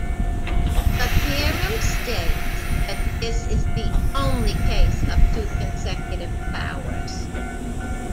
The theorem states that this is the "only" case of two consecutive powers.